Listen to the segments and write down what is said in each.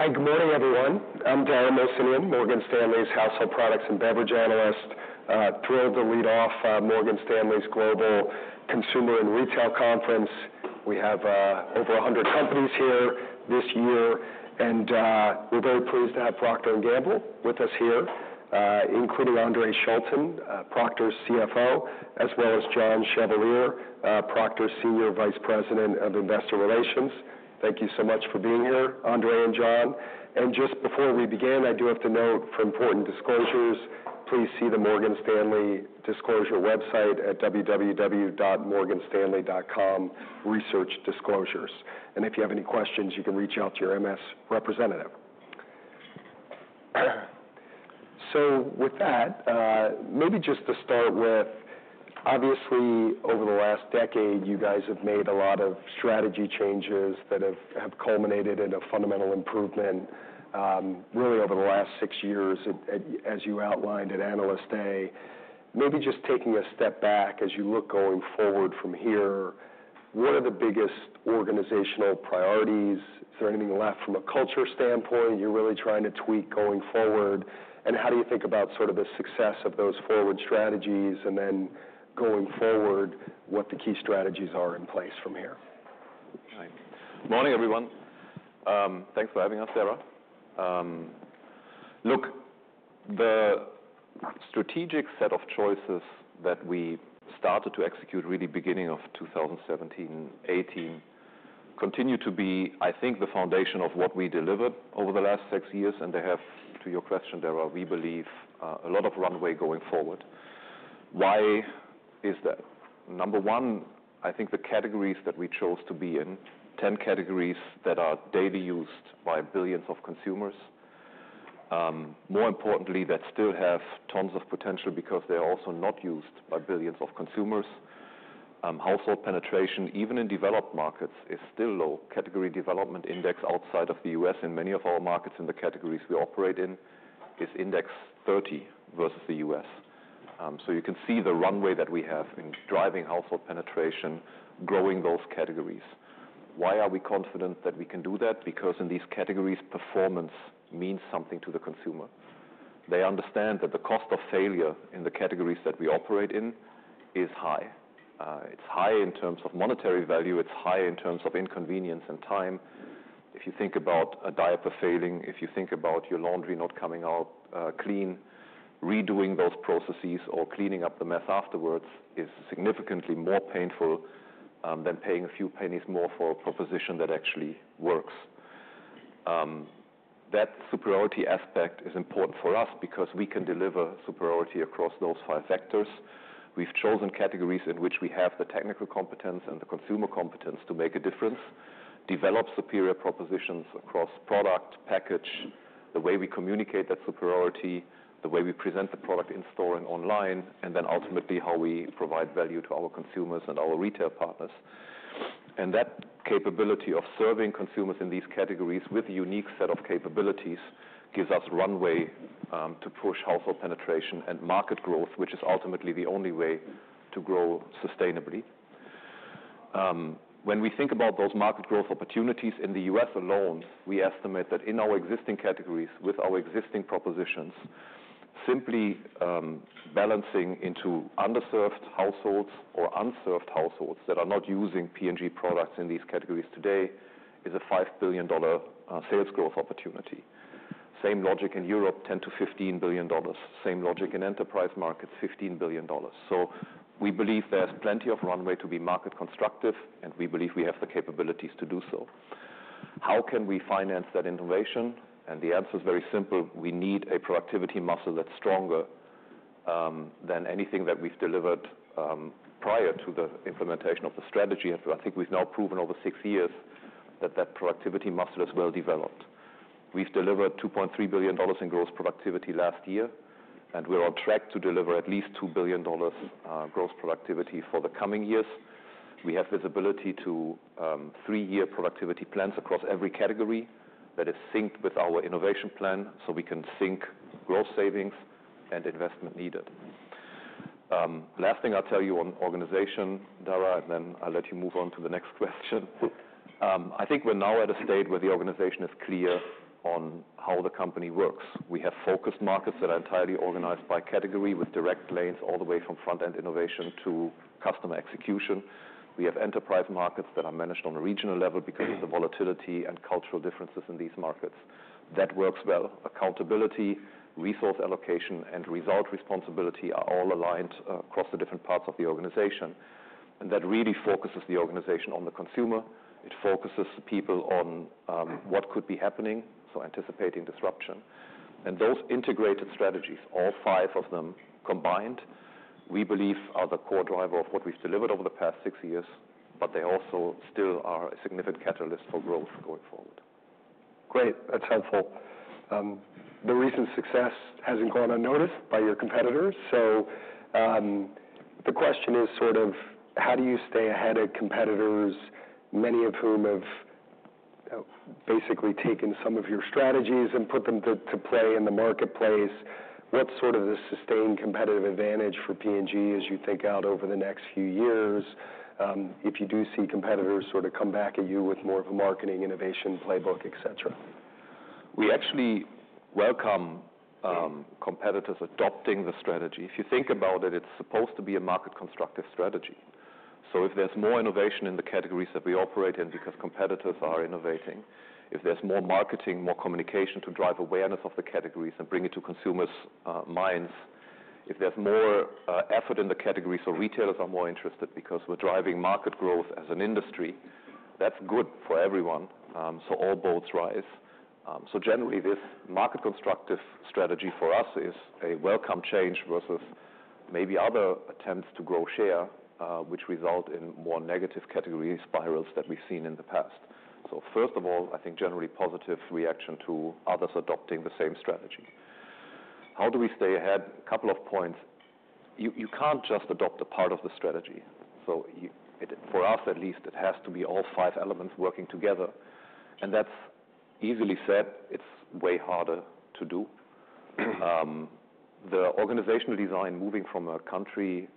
Hi, good morning everyone. I'm Dara Mohsenian, Morgan Stanley's household products and beverage analyst. Thrilled to lead off Morgan Stanley's Global Consumer & Retail Conference. We have over 100 companies here this year, and we're very pleased to have Procter & Gamble with us here, including Andre Schulten, Procter's CFO, as well as John Chevalier, Procter's Senior Vice President of Investor Relations. Thank you so much for being here, Andre and John, and just before we begin, I do have to note for important disclosures, please see the Morgan Stanley disclosure website at www.morganstanley.com/researchdisclosures. And if you have any questions, you can reach out to your MS representative, so with that, maybe just to start with, obviously over the last decade, you guys have made a lot of strategy changes that have culminated in a fundamental improvement really over the last six years, as you outlined at Analyst Day. Maybe just taking a step back as you look going forward from here, what are the biggest organizational priorities? Is there anything left from a culture standpoint you're really trying to tweak going forward? And how do you think about sort of the success of those forward strategies? And then going forward, what the key strategies are in place from here? Good morning everyone. Thanks for having us, Dara. Look, the strategic set of choices that we started to execute really beginning of 2017, 2018, continue to be, I think, the foundation of what we delivered over the last six years, and they have, to your question, Dara, we believe, a lot of runway going forward. Why is that? Number one, I think the categories that we chose to be in, 10 categories that are daily used by billions of consumers. More importantly, that still have tons of potential because they're also not used by billions of consumers. Household penetration, even in developed markets, is still low. Category Development Index outside of the US in many of our markets in the categories we operate in is index 30 versus the US. So you can see the runway that we have in driving household penetration, growing those categories. Why are we confident that we can do that? Because in these categories, performance means something to the consumer. They understand that the cost of failure in the categories that we operate in is high. It's high in terms of monetary value. It's high in terms of inconvenience and time. If you think about a diaper failing, if you think about your laundry not coming out clean, redoing those processes or cleaning up the mess afterwards is significantly more painful than paying a few pennies more for a proposition that actually works. That superiority aspect is important for us because we can deliver superiority across those five vectors. We've chosen categories in which we have the technical competence and the consumer competence to make a difference, develop superior propositions across product, package, the way we communicate that superiority, the way we present the product in store and online, and then ultimately how we provide value to our consumers and our retail partners, and that capability of serving consumers in these categories with a unique set of capabilities gives us runway to push household penetration and market growth, which is ultimately the only way to grow sustainably. When we think about those market growth opportunities in the U.S. alone, we estimate that in our existing categories with our existing propositions, simply balancing into underserved households or unserved households that are not using P&G products in these categories today is a $5 billion sales growth opportunity. Same logic in Europe, $10-$15 billion. Same logic in enterprise markets, $15 billion. So we believe there's plenty of runway to be market constructive, and we believe we have the capabilities to do so. How can we finance that innovation? And the answer is very simple. We need a productivity muscle that's stronger than anything that we've delivered prior to the implementation of the strategy. I think we've now proven over six years that that productivity muscle is well developed. We've delivered $2.3 billion in gross productivity last year, and we're on track to deliver at least $2 billion gross productivity for the coming years. We have visibility to three-year productivity plans across every category that is synced with our innovation plan so we can sync gross savings and investment needed. Last thing I'll tell you on organization, Dara, and then I'll let you move on to the next question. I think we're now at a state where the organization is clear on how the company works. We have focused markets that are entirely organized by category with direct lanes all the way from front-end innovation to customer execution. We have enterprise markets that are managed on a regional level because of the volatility and cultural differences in these markets. That works well. Accountability, resource allocation, and result responsibility are all aligned across the different parts of the organization. And that really focuses the organization on the consumer. It focuses the people on what could be happening, so anticipating disruption. And those integrated strategies, all five of them combined, we believe are the core driver of what we've delivered over the past six years, but they also still are a significant catalyst for growth going forward. Great. That's helpful. The recent success hasn't gone unnoticed by your competitors. So the question is sort of how do you stay ahead of competitors, many of whom have basically taken some of your strategies and put them to play in the marketplace? What's sort of the sustained competitive advantage for P&G as you think out over the next few years if you do see competitors sort of come back at you with more of a marketing innovation playbook, etc.? We actually welcome competitors adopting the strategy. If you think about it, it's supposed to be a market constructive strategy. So if there's more innovation in the categories that we operate in because competitors are innovating, if there's more marketing, more communication to drive awareness of the categories and bring it to consumers' minds, if there's more effort in the categories or retailers are more interested because we're driving market growth as an industry, that's good for everyone. So all boats rise. So generally, this market constructive strategy for us is a welcome change versus maybe other attempts to grow share, which result in more negative category spirals that we've seen in the past. So first of all, I think generally positive reaction to others adopting the same strategy. How do we stay ahead? A couple of points. You can't just adopt a part of the strategy. So for us, at least, it has to be all five elements working together. And that's easily said. It's way harder to do. The organizational design moving from a country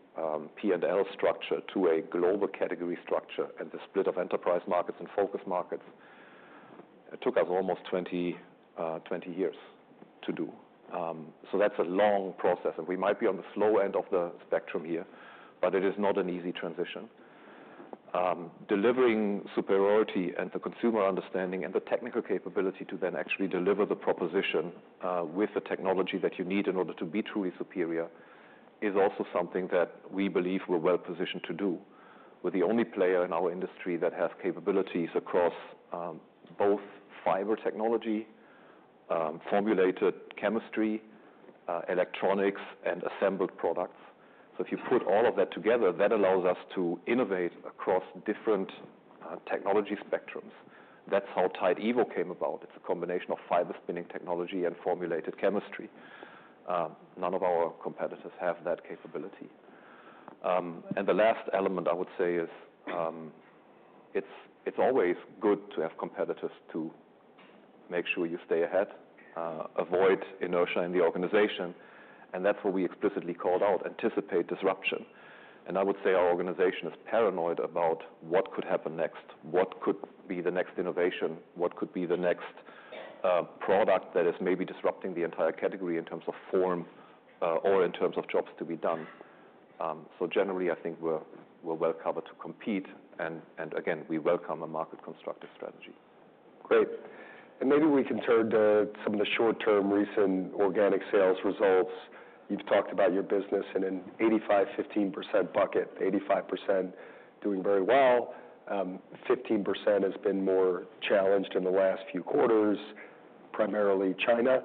P&L structure to a global category structure and the split of enterprise markets and focus markets, it took us almost 20 years to do. So that's a long process. And we might be on the slow end of the spectrum here, but it is not an easy transition. Delivering superiority and the consumer understanding and the technical capability to then actually deliver the proposition with the technology that you need in order to be truly superior is also something that we believe we're well positioned to do. We're the only player in our industry that has capabilities across both fiber technology, formulated chemistry, electronics, and assembled products. So if you put all of that together, that allows us to innovate across different technology spectrums. That's how Tide Evo came about. It's a combination of fiber spinning technology and formulated chemistry. None of our competitors have that capability. And the last element I would say is it's always good to have competitors to make sure you stay ahead, avoid inertia in the organization. And that's what we explicitly called out, anticipate disruption. And I would say our organization is paranoid about what could happen next, what could be the next innovation, what could be the next product that is maybe disrupting the entire category in terms of form or in terms of jobs to be done. So generally, I think we're well covered to compete. And again, we welcome a market constructive strategy. Great. And maybe we can turn to some of the short-term recent organic sales results. You've talked about your business and an 85%-15% bucket, 85% doing very well. 15% has been more challenged in the last few quarters, primarily China.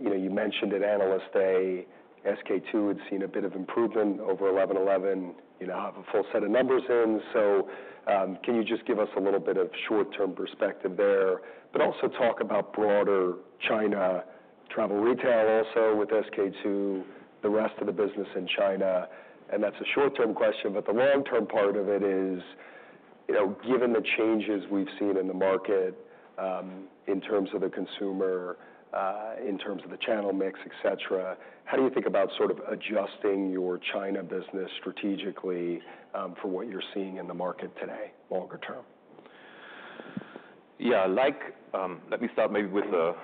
You mentioned at Analyst Day, SK-II had seen a bit of improvement over 11/11. You now have a full set of numbers in. So can you just give us a little bit of short-term perspective there, but also talk about broader China travel retail also with SK-II, the rest of the business in China? And that's a short-term question, but the long-term part of it is given the changes we've seen in the market in terms of the consumer, in terms of the channel mix, etc., how do you think about sort of adjusting your China business strategically for what you're seeing in the market today longer term? Yeah. Let me start maybe with the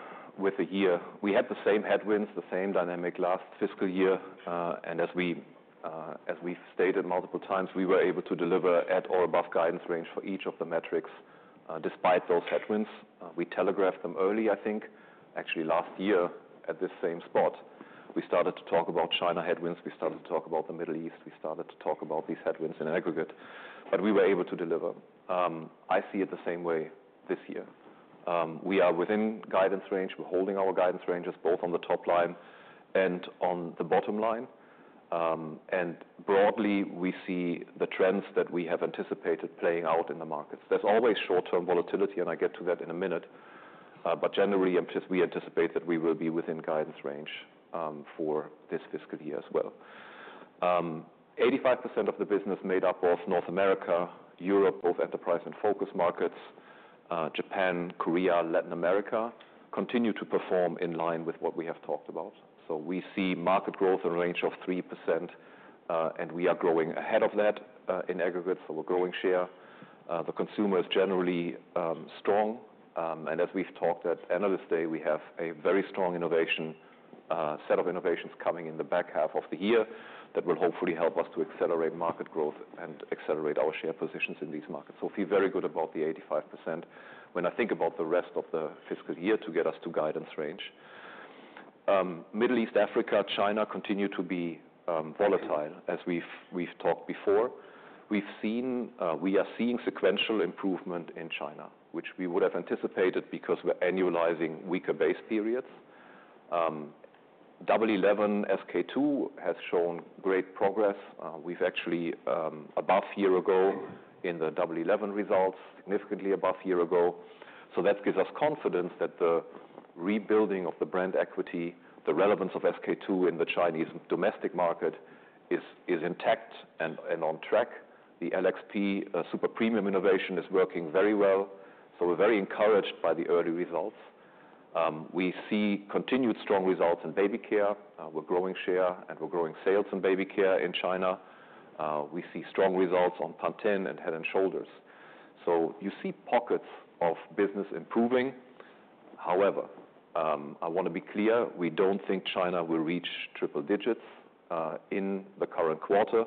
year. We had the same headwinds, the same dynamic last fiscal year, and as we've stated multiple times, we were able to deliver at or above guidance range for each of the metrics despite those headwinds. We telegraphed them early, I think, actually last year at this same spot. We started to talk about China headwinds. We started to talk about the Middle East. We started to talk about these headwinds in aggregate, but we were able to deliver. I see it the same way this year. We are within guidance range. We're holding our guidance ranges both on the top line and on the bottom line, and broadly, we see the trends that we have anticipated playing out in the markets. There's always short-term volatility, and I get to that in a minute. Generally, we anticipate that we will be within guidance range for this fiscal year as well. 85% of the business, made up of North America, Europe, both enterprise and focus markets, Japan, Korea, Latin America, continue to perform in line with what we have talked about. We see market growth in a range of 3%, and we are growing ahead of that in aggregate. We're growing share. The consumer is generally strong. As we've talked at Analyst Day, we have a very strong innovation set of innovations coming in the back half of the year that will hopefully help us to accelerate market growth and accelerate our share positions in these markets. I feel very good about the 85% when I think about the rest of the fiscal year to get us to guidance range. Middle East, Africa, China continue to be volatile as we've talked before. We are seeing sequential improvement in China, which we would have anticipated because we're annualizing weaker base periods. Double 11 SK-II has shown great progress. We're actually above year ago in the Double 11 results, significantly above year ago. So that gives us confidence that the rebuilding of the brand equity, the relevance of SK-II in the Chinese domestic market is intact and on track. The LXP super premium innovation is working very well. So we're very encouraged by the early results. We see continued strong results in baby care. We're growing share, and we're growing sales in baby care in China. We see strong results on Pantene and Head & Shoulders. So you see pockets of business improving. However, I want to be clear, we don't think China will reach triple digits in the current quarter.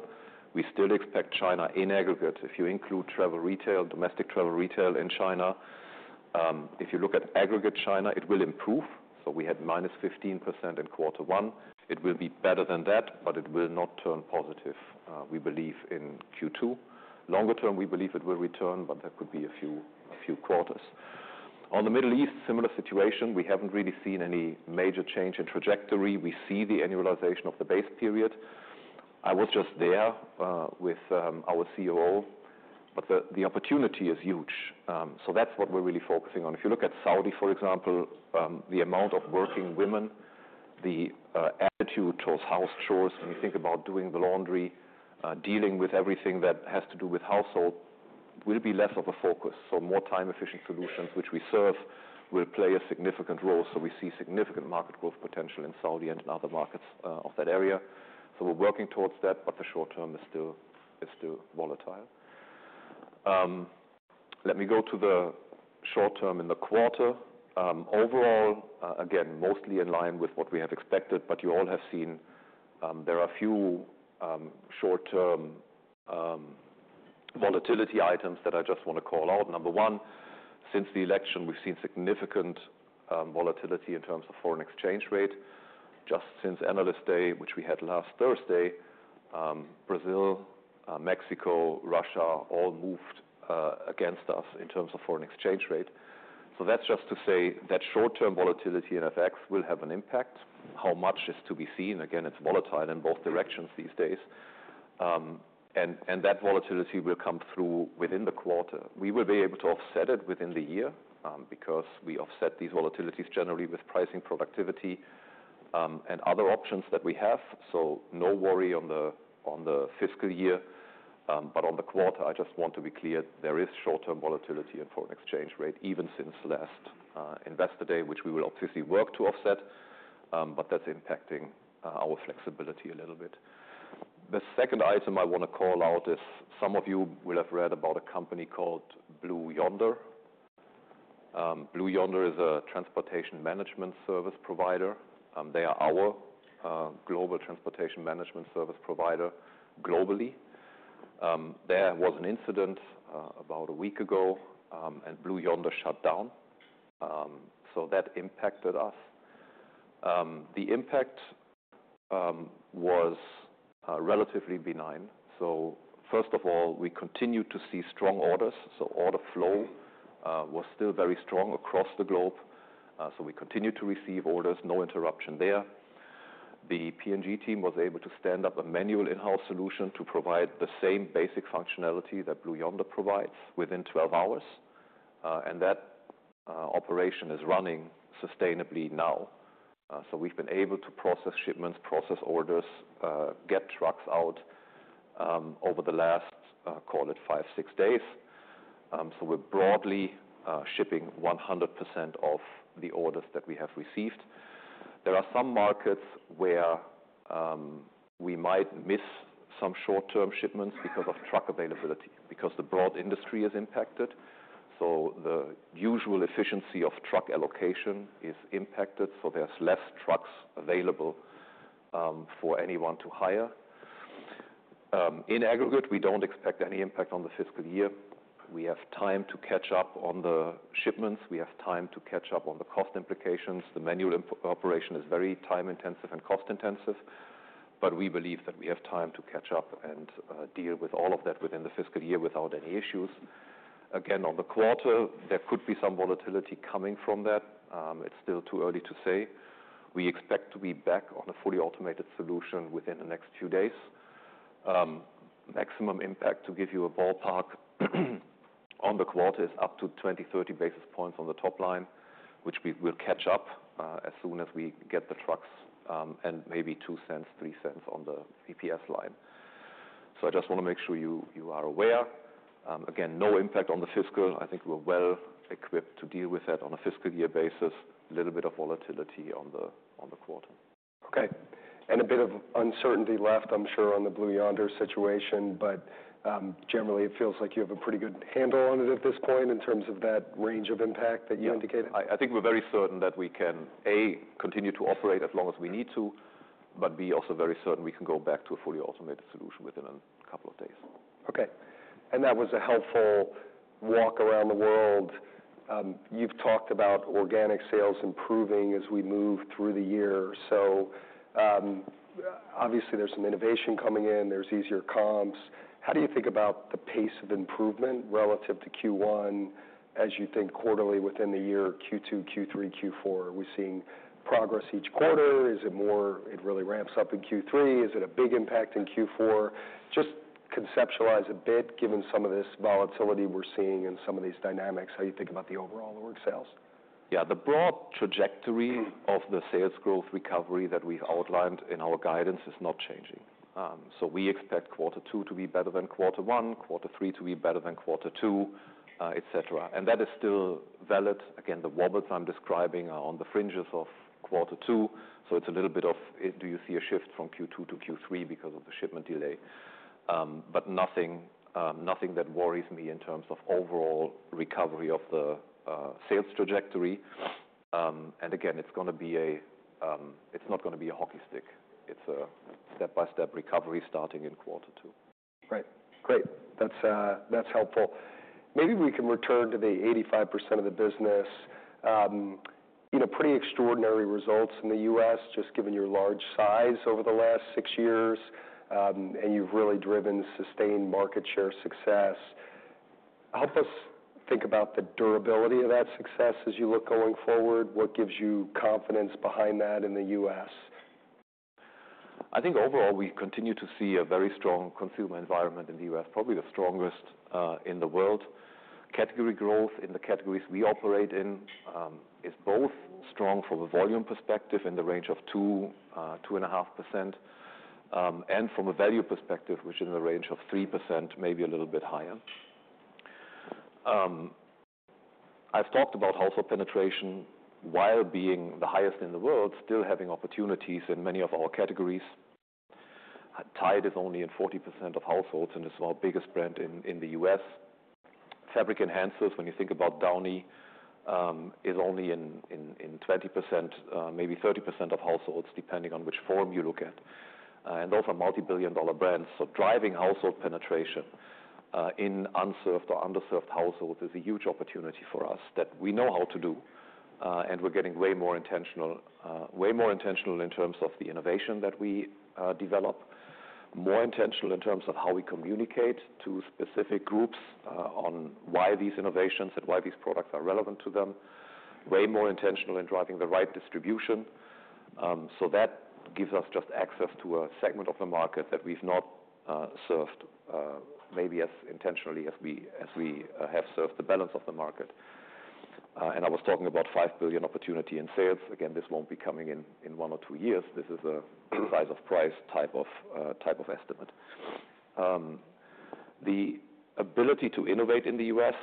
We still expect China in aggregate if you include travel retail, domestic travel retail in China. If you look at aggregate China, it will improve, so we had -15% in quarter one. It will be better than that, but it will not turn positive, we believe, in Q2. Longer term, we believe it will return, but that could be a few quarters. On the Middle East, similar situation. We haven't really seen any major change in trajectory. We see the annualization of the base period. I was just there with our COO, but the opportunity is huge, so that's what we're really focusing on. If you look at Saudi, for example, the amount of working women, the attitude towards house chores, when you think about doing the laundry, dealing with everything that has to do with household, will be less of a focus. So more time-efficient solutions, which we serve, will play a significant role. So we see significant market growth potential in Saudi and other markets of that area. So we're working towards that, but the short term is still volatile. Let me go to the short term in the quarter. Overall, again, mostly in line with what we have expected, but you all have seen there are a few short-term volatility items that I just want to call out. Number one, since the election, we've seen significant volatility in terms of foreign exchange rate. Just since Analyst Day, which we had last Thursday, Brazil, Mexico, Russia all moved against us in terms of foreign exchange rate. So that's just to say that short-term volatility in effects will have an impact. How much is to be seen? Again, it's volatile in both directions these days. And that volatility will come through within the quarter. We will be able to offset it within the year because we offset these volatilities generally with pricing productivity and other options that we have. So no worry on the fiscal year. But on the quarter, I just want to be clear, there is short-term volatility in foreign exchange rate even since last Investor Day, which we will obviously work to offset, but that's impacting our flexibility a little bit. The second item I want to call out is some of you will have read about a company called Blue Yonder. Blue Yonder is a transportation management service provider. They are our global transportation management service provider globally. There was an incident about a week ago, and Blue Yonder shut down. So that impacted us. The impact was relatively benign. So first of all, we continued to see strong orders. Order flow was still very strong across the globe. We continued to receive orders, no interruption there. The P&G team was able to stand up a manual in-house solution to provide the same basic functionality that Blue Yonder provides within 12 hours. That operation is running sustainably now. We've been able to process shipments, process orders, get trucks out over the last, call it, five, six days. We're broadly shipping 100% of the orders that we have received. There are some markets where we might miss some short-term shipments because of truck availability, because the broad industry is impacted. The usual efficiency of truck allocation is impacted. There's less trucks available for anyone to hire. In aggregate, we don't expect any impact on the fiscal year. We have time to catch up on the shipments. We have time to catch up on the cost implications. The manual operation is very time-intensive and cost-intensive. But we believe that we have time to catch up and deal with all of that within the fiscal year without any issues. Again, on the quarter, there could be some volatility coming from that. It's still too early to say. We expect to be back on a fully automated solution within the next few days. Maximum impact, to give you a ballpark, on the quarter is up to 20-30 basis points on the top line, which we will catch up as soon as we get the trucks and maybe $0.02-$0.03 on the EPS line. So I just want to make sure you are aware. Again, no impact on the fiscal. I think we're well equipped to deal with that on a fiscal year basis. A little bit of volatility on the quarter. Okay, and a bit of uncertainty left, I'm sure, on the Blue Yonder situation, but generally, it feels like you have a pretty good handle on it at this point in terms of that range of impact that you indicated. Yeah. I think we're very certain that we can, A, continue to operate as long as we need to, but B, also very certain we can go back to a fully automated solution within a couple of days. Okay. And that was a helpful walk around the world. You've talked about organic sales improving as we move through the year. So obviously, there's some innovation coming in. There's easier comps. How do you think about the pace of improvement relative to Q1 as you think quarterly within the year, Q2, Q3, Q4? Are we seeing progress each quarter? Is it more it really ramps up in Q3? Is it a big impact in Q4? Just conceptualize a bit given some of this volatility we're seeing and some of these dynamics. How do you think about the overall org sales? Yeah. The broad trajectory of the sales growth recovery that we've outlined in our guidance is not changing. So we expect quarter two to be better than quarter one, quarter three to be better than quarter two, etc. And that is still valid. Again, the wobbles I'm describing are on the fringes of quarter two. So it's a little bit of, do you see a shift from Q2 to Q3 because of the shipment delay? But nothing that worries me in terms of overall recovery of the sales trajectory. And again, it's not going to be a hockey stick. It's a step-by-step recovery starting in quarter two. Right. Great. That's helpful. Maybe we can return to the 85% of the business. Pretty extraordinary results in the U.S. just given your large size over the last six years, and you've really driven sustained market share success. Help us think about the durability of that success as you look going forward. What gives you confidence behind that in the U.S.? I think overall, we continue to see a very strong consumer environment in the US, probably the strongest in the world. Category growth in the categories we operate in is both strong from a volume perspective in the range of 2-2.5%, and from a value perspective, which is in the range of 3%, maybe a little bit higher. I've talked about household penetration while being the highest in the world, still having opportunities in many of our categories. Tide is only in 40% of households, and it's our biggest brand in the US. Fabric enhancers, when you think about Downy, is only in 20%-30% of households, depending on which form you look at. And those are multi-billion dollar brands. So driving household penetration in unserved or underserved households is a huge opportunity for us that we know how to do. We're getting way more intentional, way more intentional in terms of the innovation that we develop, more intentional in terms of how we communicate to specific groups on why these innovations and why these products are relevant to them, way more intentional in driving the right distribution. So that gives us just access to a segment of the market that we've not served maybe as intentionally as we have served the balance of the market. And I was talking about $5 billion opportunity in sales. Again, this won't be coming in one or two years. This is a size of prize type of estimate. The ability to innovate in the US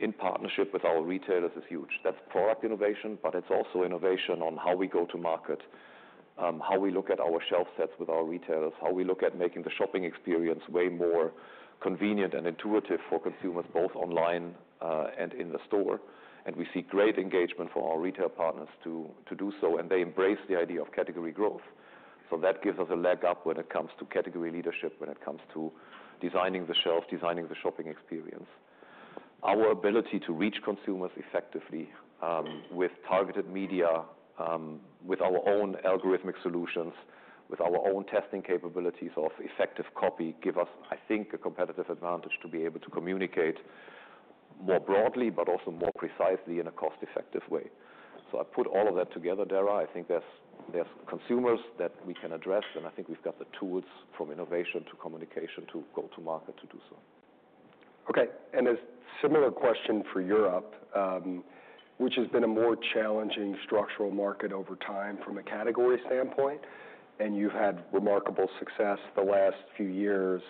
in partnership with our retailers is huge. That's product innovation, but it's also innovation on how we go to market, how we look at our shelf sets with our retailers, how we look at making the shopping experience way more convenient and intuitive for consumers, both online and in the store, and we see great engagement for our retail partners to do so, and they embrace the idea of category growth, so that gives us a leg up when it comes to category leadership, when it comes to designing the shelf, designing the shopping experience. Our ability to reach consumers effectively with targeted media, with our own algorithmic solutions, with our own testing capabilities of effective copy give us, I think, a competitive advantage to be able to communicate more broadly, but also more precisely in a cost-effective way, so I put all of that together, Dara. I think there's consumers that we can address, and I think we've got the tools from innovation to communication to go to market to do so. Okay. And a similar question for Europe, which has been a more challenging structural market over time from a category standpoint, and you've had remarkable success the last few years.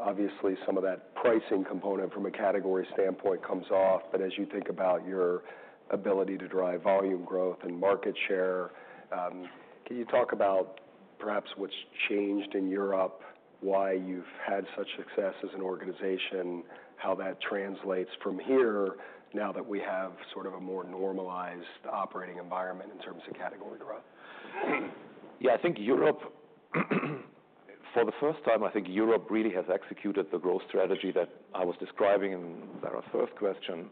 Obviously, some of that pricing component from a category standpoint comes off, but as you think about your ability to drive volume growth and market share, can you talk about perhaps what's changed in Europe, why you've had such success as an organization, how that translates from here now that we have sort of a more normalized operating environment in terms of category growth? Yeah. I think Europe, for the first time, I think Europe really has executed the growth strategy that I was describing in Dara's first question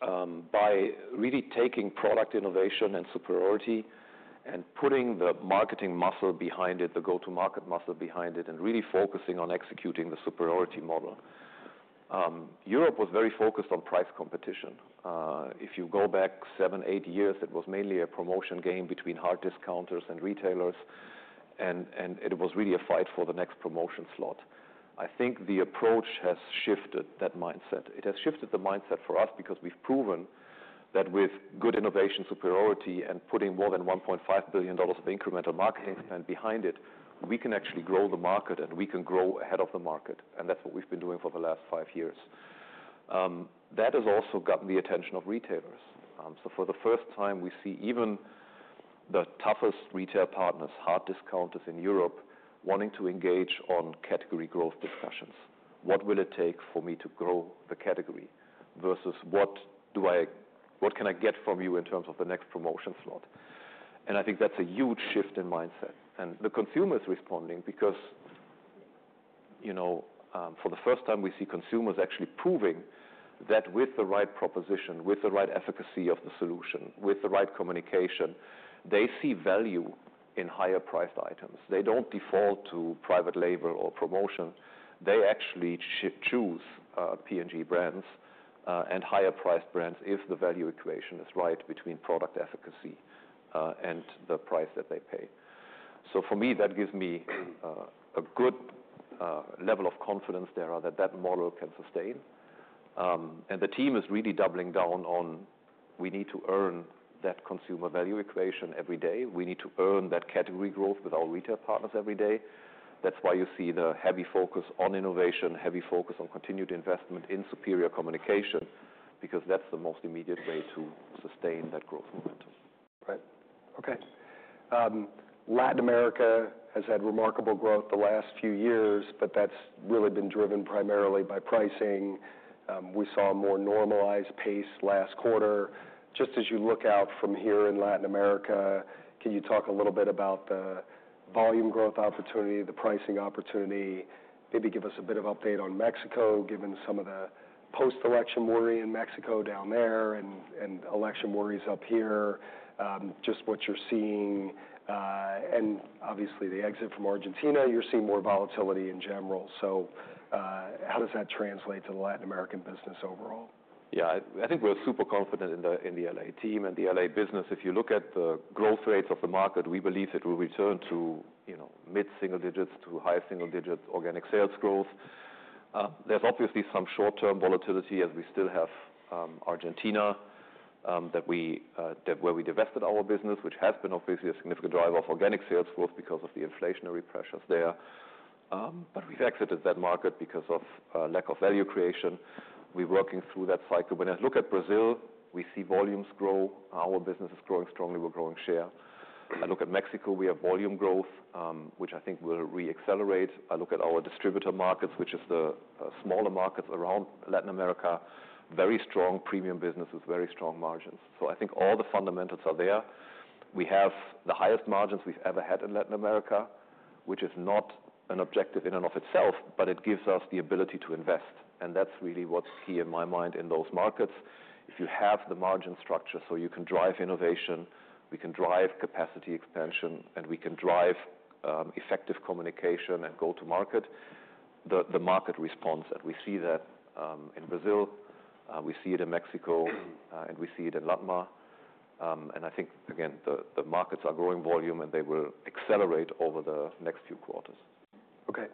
by really taking product innovation and superiority and putting the marketing muscle behind it, the go-to-market muscle behind it, and really focusing on executing the superiority model. Europe was very focused on price competition. If you go back seven, eight years, it was mainly a promotion game between hard discounters and retailers, and it was really a fight for the next promotion slot. I think the approach has shifted that mindset. It has shifted the mindset for us because we've proven that with good innovation, superiority, and putting more than $1.5 billion of incremental marketing spend behind it, we can actually grow the market, and we can grow ahead of the market. And that's what we've been doing for the last five years. That has also gotten the attention of retailers. So for the first time, we see even the toughest retail partners, hard discounters in Europe, wanting to engage on category growth discussions. What will it take for me to grow the category versus what can I get from you in terms of the next promotion slot? And I think that's a huge shift in mindset. And the consumer is responding because for the first time, we see consumers actually proving that with the right proposition, with the right efficacy of the solution, with the right communication, they see value in higher-priced items. They don't default to private label or promotion. They actually choose P&G brands and higher-priced brands if the value equation is right between product efficacy and the price that they pay. So for me, that gives me a good level of confidence, Dara, that that model can sustain. And the team is really doubling down on we need to earn that consumer value equation every day. We need to earn that category growth with our retail partners every day. That's why you see the heavy focus on innovation, heavy focus on continued investment in superior communication, because that's the most immediate way to sustain that growth momentum. Right. Okay. Latin America has had remarkable growth the last few years, but that's really been driven primarily by pricing. We saw a more normalized pace last quarter. Just as you look out from here in Latin America, can you talk a little bit about the volume growth opportunity, the pricing opportunity? Maybe give us a bit of update on Mexico, given some of the post-election worry in Mexico down there and election worries up here, just what you're seeing. And obviously, the exit from Argentina, you're seeing more volatility in general. So how does that translate to the Latin American business overall? Yeah. I think we're super confident in the LA team and the LA business. If you look at the growth rates of the market, we believe it will return to mid-single digits to high single digit organic sales growth. There's obviously some short-term volatility as we still have Argentina where we divested our business, which has been obviously a significant driver of organic sales growth because of the inflationary pressures there. But we've exited that market because of lack of value creation. We're working through that cycle. When I look at Brazil, we see volumes grow. Our business is growing strongly. We're growing share. I look at Mexico. We have volume growth, which I think will reaccelerate. I look at our distributor markets, which are the smaller markets around Latin America, very strong premium businesses, very strong margins. So I think all the fundamentals are there. We have the highest margins we've ever had in Latin America, which is not an objective in and of itself, but it gives us the ability to invest. And that's really what's key in my mind in those markets. If you have the margin structure so you can drive innovation, we can drive capacity expansion, and we can drive effective communication and go-to-market, the market responds. And we see that in Brazil. We see it in Mexico, and we see it in LatAm. And I think, again, the markets are growing volume, and they will accelerate over the next few quarters. Okay.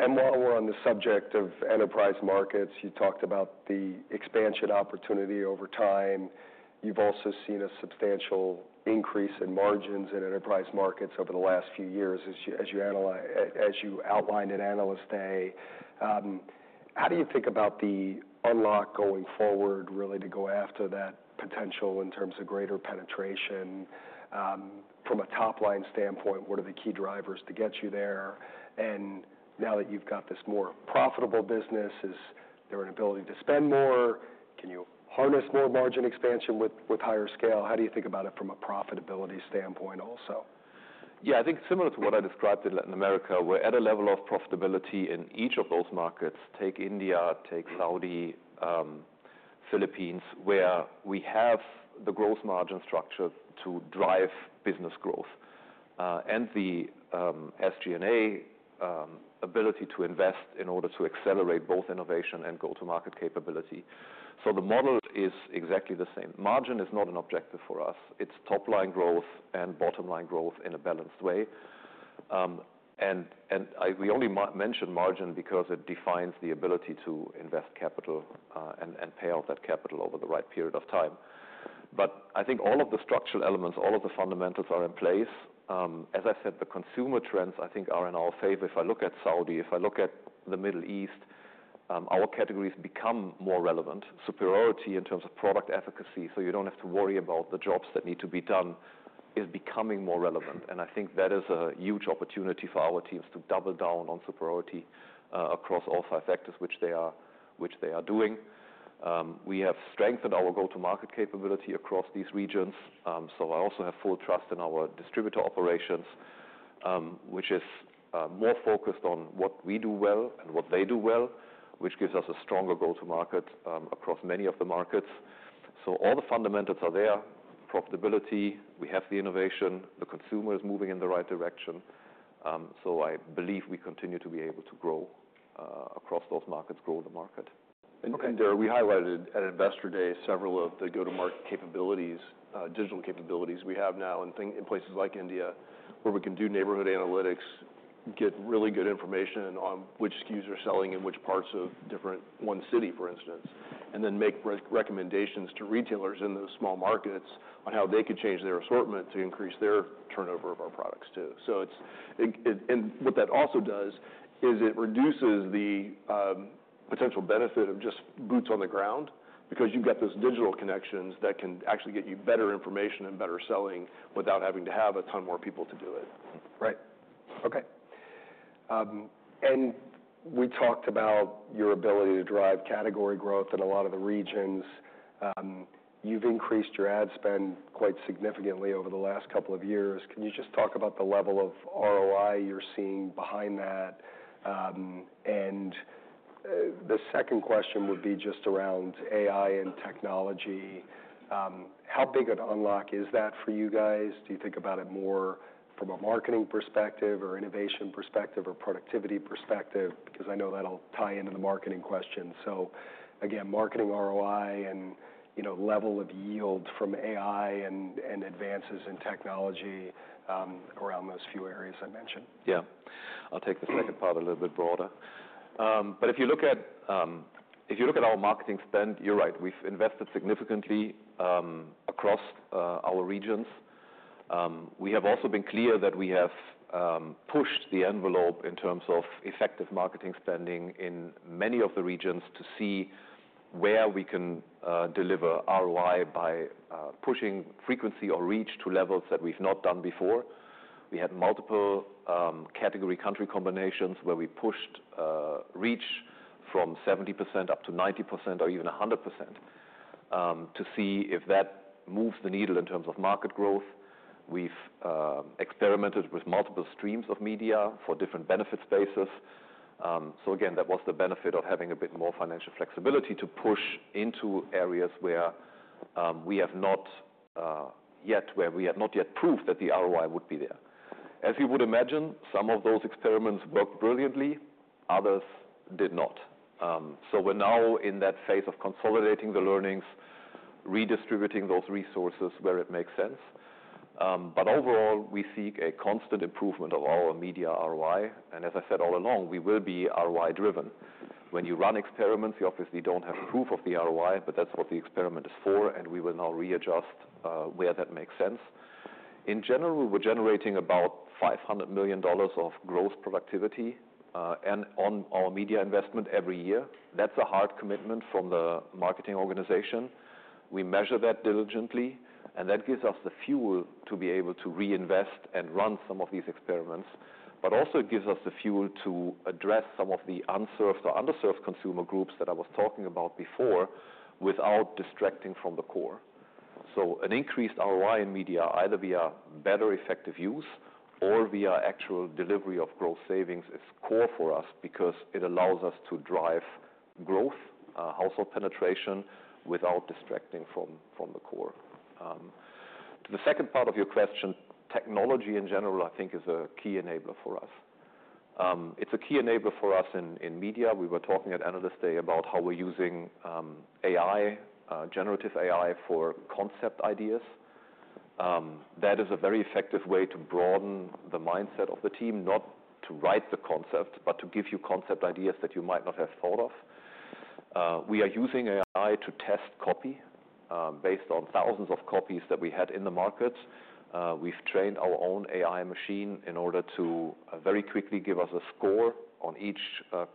And while we're on the subject of enterprise markets, you talked about the expansion opportunity over time. You've also seen a substantial increase in margins in enterprise markets over the last few years as you outlined in Analyst Day. How do you think about the unlock going forward, really, to go after that potential in terms of greater penetration? From a top-line standpoint, what are the key drivers to get you there? And now that you've got this more profitable business, is there an ability to spend more? Can you harness more margin expansion with higher scale? How do you think about it from a profitability standpoint also? Yeah. I think similar to what I described in Latin America, we're at a level of profitability in each of those markets, take India, take Saudi, Philippines, where we have the growth margin structure to drive business growth and the SG&A ability to invest in order to accelerate both innovation and go-to-market capability. So the model is exactly the same. Margin is not an objective for us. It's top-line growth and bottom-line growth in a balanced way. And we only mention margin because it defines the ability to invest capital and pay off that capital over the right period of time. But I think all of the structural elements, all of the fundamentals are in place. As I said, the consumer trends I think are in our favor. If I look at Saudi, if I look at the Middle East, our categories become more relevant. Superiority in terms of product efficacy, so you don't have to worry about the jobs that need to be done, is becoming more relevant, and I think that is a huge opportunity for our teams to double down on superiority across all five factors, which they are doing. We have strengthened our go-to-market capability across these regions, so I also have full trust in our distributor operations, which is more focused on what we do well and what they do well, which gives us a stronger go-to-market across many of the markets, so all the fundamentals are there. Profitability, we have the innovation, the consumer is moving in the right direction, so I believe we continue to be able to grow across those markets, grow the market. And Dara, we highlighted at Investor Day several of the go-to-market capabilities, digital capabilities we have now in places like India, where we can do neighborhood analytics, get really good information on which SKUs are selling in which parts of different one city, for instance, and then make recommendations to retailers in those small markets on how they could change their assortment to increase their turnover of our products too. And what that also does is it reduces the potential benefit of just boots on the ground because you've got those digital connections that can actually get you better information and better selling without having to have a ton more people to do it. Right. Okay. And we talked about your ability to drive category growth in a lot of the regions. You've increased your ad spend quite significantly over the last couple of years. Can you just talk about the level of ROI you're seeing behind that? And the second question would be just around AI and technology. How big an unlock is that for you guys? Do you think about it more from a marketing perspective or innovation perspective or productivity perspective? Because I know that'll tie into the marketing question. So again, marketing ROI and level of yield from AI and advances in technology around those few areas I mentioned. Yeah. I'll take the second part a little bit broader. But if you look at our marketing spend, you're right. We've invested significantly across our regions. We have also been clear that we have pushed the envelope in terms of effective marketing spending in many of the regions to see where we can deliver ROI by pushing frequency or reach to levels that we've not done before. We had multiple category country combinations where we pushed reach from 70% up to 90% or even 100% to see if that moves the needle in terms of market growth. We've experimented with multiple streams of media for different benefit spaces. So again, that was the benefit of having a bit more financial flexibility to push into areas where we have not yet proved that the ROI would be there. As you would imagine, some of those experiments worked brilliantly. Others did not. So we're now in that phase of consolidating the learnings, redistributing those resources where it makes sense. But overall, we seek a constant improvement of our media ROI. And as I said all along, we will be ROI-driven. When you run experiments, you obviously don't have proof of the ROI, but that's what the experiment is for, and we will now readjust where that makes sense. In general, we're generating about $500 million of growth productivity on our media investment every year. That's a hard commitment from the marketing organization. We measure that diligently, and that gives us the fuel to be able to reinvest and run some of these experiments. But also, it gives us the fuel to address some of the unserved or underserved consumer groups that I was talking about before without distracting from the core. So an increased ROI in media, either via better effective use or via actual delivery of growth savings, is core for us because it allows us to drive growth, household penetration, without distracting from the core. To the second part of your question, technology in general, I think, is a key enabler for us. It's a key enabler for us in media. We were talking at Analyst Day about how we're using AI, generative AI for concept ideas. That is a very effective way to broaden the mindset of the team, not to write the concepts, but to give you concept ideas that you might not have thought of. We are using AI to test copy based on thousands of copies that we had in the market. We've trained our own AI machine in order to very quickly give us a score on each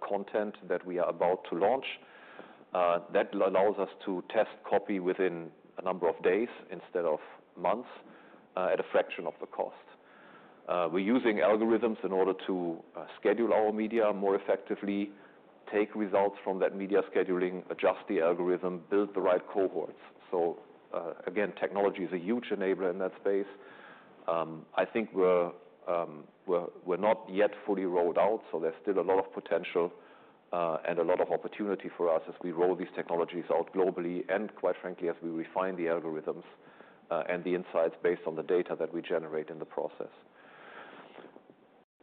content that we are about to launch. That allows us to test copy within a number of days instead of months at a fraction of the cost. We're using algorithms in order to schedule our media more effectively, take results from that media scheduling, adjust the algorithm, build the right cohorts. So again, technology is a huge enabler in that space. I think we're not yet fully rolled out, so there's still a lot of potential and a lot of opportunity for us as we roll these technologies out globally and, quite frankly, as we refine the algorithms and the insights based on the data that we generate in the process.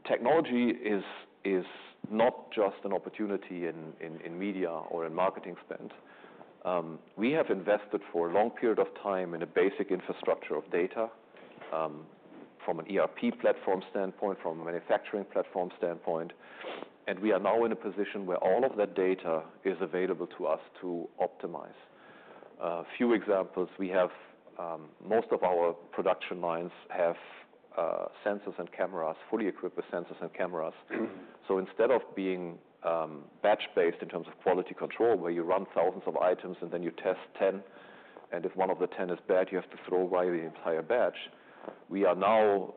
Technology is not just an opportunity in media or in marketing spend. We have invested for a long period of time in a basic infrastructure of data from an ERP platform standpoint, from a manufacturing platform standpoint. And we are now in a position where all of that data is available to us to optimize. Few examples. Most of our production lines have sensors and cameras, fully equipped with sensors and cameras. So instead of being batch-based in terms of quality control, where you run thousands of items and then you test 10, and if one of the 10 is bad, you have to throw away the entire batch, we are now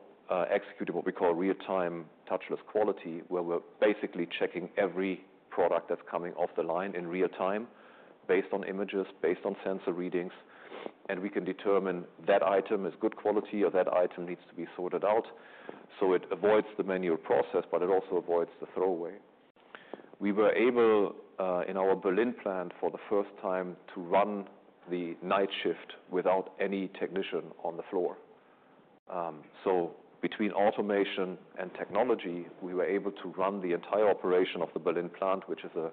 executing what we call real-time touchless quality, where we're basically checking every product that's coming off the line in real time based on images, based on sensor readings, and we can determine that item is good quality or that item needs to be sorted out. So it avoids the manual process, but it also avoids the throwaway. We were able, in our Berlin plant, for the first time to run the night shift without any technician on the floor. So between automation and technology, we were able to run the entire operation of the Berlin plant, which is a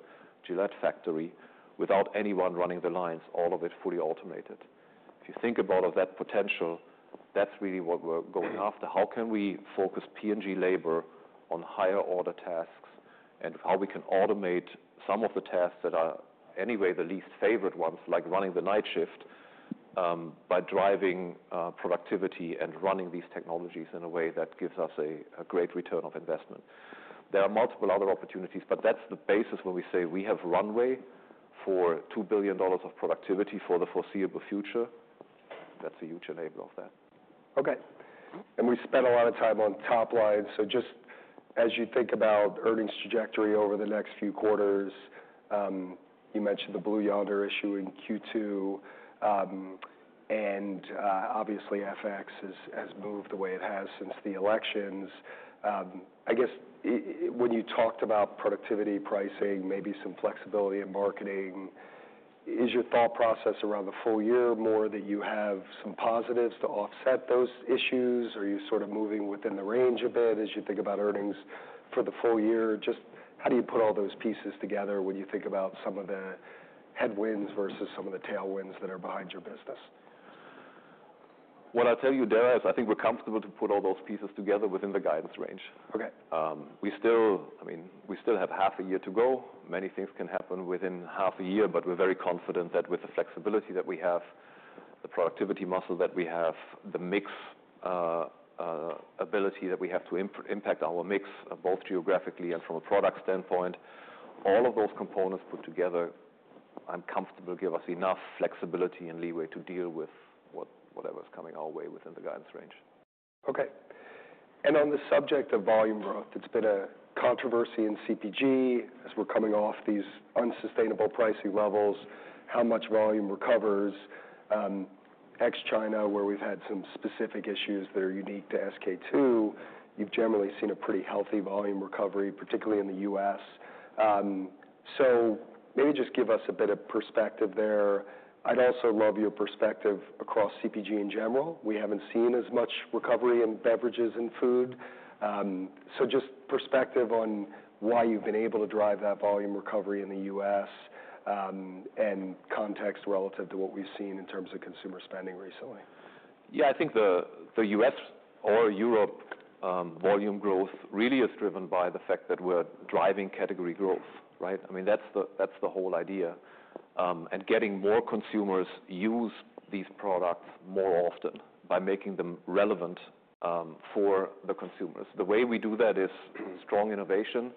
Gillette factory, without anyone running the lines, all of it fully automated. If you think about that potential, that's really what we're going after. How can we focus P&G labor on higher-order tasks and how we can automate some of the tasks that are anyway the least favorite ones, like running the night shift, by driving productivity and running these technologies in a way that gives us a great return on investment? There are multiple other opportunities, but that's the basis when we say we have runway for $2 billion of productivity for the foreseeable future. That's a huge enabler of that. Okay. And we spent a lot of time on top line. So just as you think about earnings trajectory over the next few quarters, you mentioned the Blue Yonder issue in Q2. And obviously, FX has moved the way it has since the elections. I guess when you talked about productivity, pricing, maybe some flexibility in marketing, is your thought process around the full year more that you have some positives to offset those issues? Are you sort of moving within the range a bit as you think about earnings for the full year? Just how do you put all those pieces together when you think about some of the headwinds versus some of the tailwinds that are behind your business? What I'll tell you, Dara, is I think we're comfortable to put all those pieces together within the guidance range. I mean, we still have half a year to go. Many things can happen within half a year, but we're very confident that with the flexibility that we have, the productivity muscle that we have, the mix ability that we have to impact our mix, both geographically and from a product standpoint, all of those components put together, I'm comfortable give us enough flexibility and leeway to deal with whatever's coming our way within the guidance range. Okay. And on the subject of volume growth, it's been a controversy in CPG as we're coming off these unsustainable pricing levels, how much volume recovers. Ex China, where we've had some specific issues that are unique to SK-II, you've generally seen a pretty healthy volume recovery, particularly in the US. So maybe just give us a bit of perspective there. I'd also love your perspective across CPG in general. We haven't seen as much recovery in beverages and food. So just perspective on why you've been able to drive that volume recovery in the US and context relative to what we've seen in terms of consumer spending recently. Yeah. I think the U.S. or Europe volume growth really is driven by the fact that we're driving category growth, right? I mean, that's the whole idea. And getting more consumers to use these products more often by making them relevant for the consumers. The way we do that is strong innovation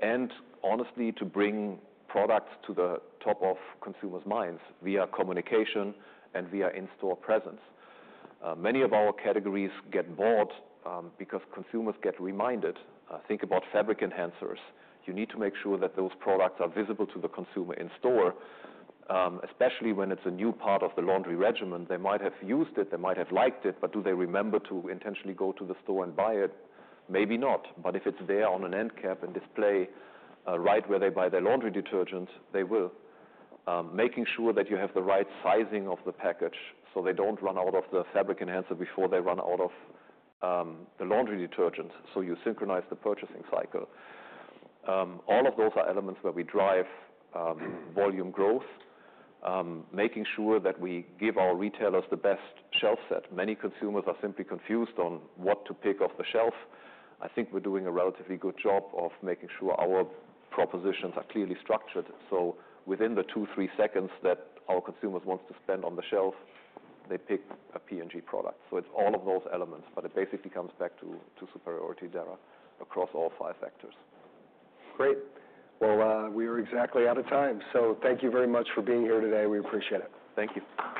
and, honestly, to bring products to the top of consumers' minds via communication and via in-store presence. Many of our categories get bought because consumers get reminded. Think about fabric enhancers. You need to make sure that those products are visible to the consumer in store, especially when it's a new part of the laundry regimen. They might have used it. They might have liked it, but do they remember to intentionally go to the store and buy it? Maybe not. But if it's there on an end cap and display right where they buy their laundry detergent, they will. Making sure that you have the right sizing of the package so they don't run out of the fabric enhancer before they run out of the laundry detergent so you synchronize the purchasing cycle. All of those are elements where we drive volume growth, making sure that we give our retailers the best shelf set. Many consumers are simply confused on what to pick off the shelf. I think we're doing a relatively good job of making sure our propositions are clearly structured. So within the two, three seconds that our consumers want to spend on the shelf, they pick a P&G product. So it's all of those elements, but it basically comes back to superiority, Dara, across all five factors. Great. Well, we are exactly out of time. So thank you very much for being here today. We appreciate it. Thank you.